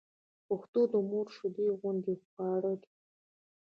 پښتو د مور شېدو غوندې خواړه ده